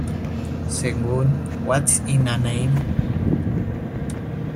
Según "What's in a Name?